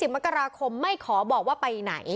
มกราคมไม่ขอบอกว่าไปไหน